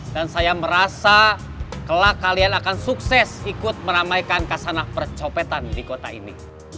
dan saya merasa kelak kalian akan sukses ikut meramaikan kasanak percopetan di kota ini